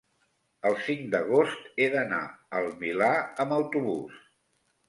el cinc d'agost he d'anar al Milà amb autobús.